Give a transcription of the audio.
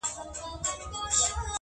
o ځيرک ښکاري په يوه ټک دوه نښانه ولي!